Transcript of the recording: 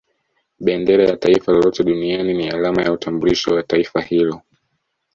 Bendera ya Taifa lolote Duniani ni alama ya utambulisho wa Taifa hilo